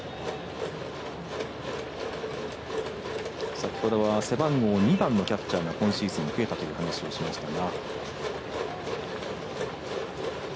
先ほどは背番号２番のキャッチャーが今シーズン増えたというお話をしましたが。